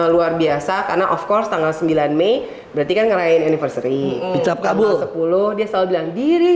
sepuluh lima luar biasa karena of course tanggal sembilan lima berarti kan ngeraih anniversary sepuluh lima seribu sembilan ratus delapan puluh sembilan diri